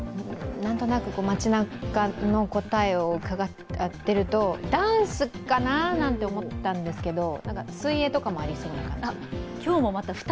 街なかの答えを伺っているとダンスかななんて思ったんですけど、水泳とかもありそう。